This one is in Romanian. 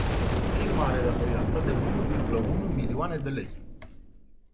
Firma are datorii la stat de unu virgulă unu milioane de lei.